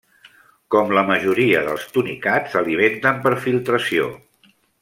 Com la majoria dels tunicats, s'alimenten per filtració.